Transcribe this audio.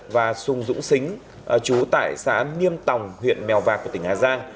và sùng dũng xính chú tại xã niêm tòng huyện mèo vạc tỉnh hà giang